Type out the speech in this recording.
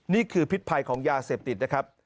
นี่คือพิธภัยของยาเสพติดนะครับ